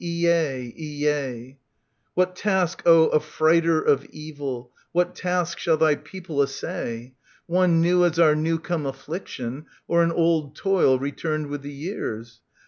l t ! l t ! What task, O Affrightcr of Evil, what task shall thy people essay ? One new as our new come affliction, Or an old toil returned with the years